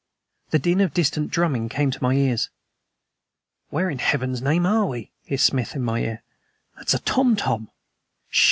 The din of distant drumming came to my ears. "Where in Heaven's name are we?" hissed Smith in my ear; "that is a tom tom!"